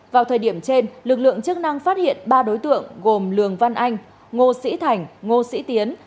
vào thời điểm trên lực lượng chức năng phát hiện ba đối tượng gồm lường văn anh ngô sĩ thành ngô sĩ tiến